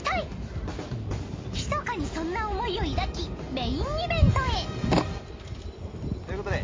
［ひそかにそんな思いを抱きメインイベントへ］ということで。